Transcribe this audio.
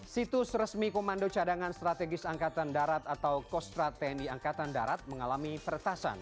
situs resmi komando cadangan strategis angkatan darat atau kostra tni angkatan darat mengalami peretasan